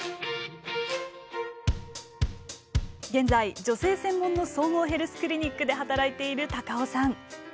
現在女性専門の総合ヘルスクリニックで働いている高尾さん。